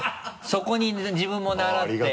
そこに自分も習って。